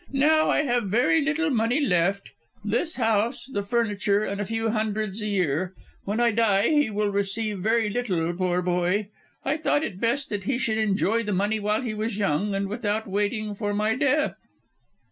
Now I have very little money left: this house, the furniture, and a few hundreds a year. When I die he will receive very little, poor boy. I thought it best that he should enjoy the money while he was young, and without waiting for my death."